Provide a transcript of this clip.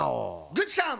グッチさん！